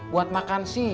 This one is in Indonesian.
buat makan sih